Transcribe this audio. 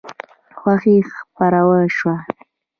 خوښي خپره شوه.